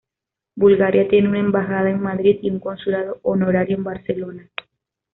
Bulgaria tiene una embajada en Madrid y un consulado honorario en Barcelona.